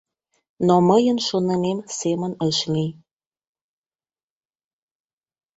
Но мыйын шонымем семын ыш лий.